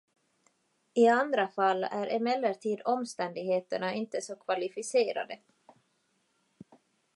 I andra fall är emellertid omständigheterna inte så kvalificerade.